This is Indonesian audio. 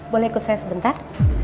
boleh ikut saya sebentar